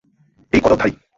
এই কদক ধারি।